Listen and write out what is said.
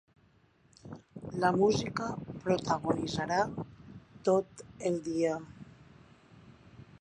La música protagonitzarà tot el dia.